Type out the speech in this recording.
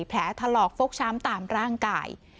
แผลถลอกฟกช้ำตามร่างกาย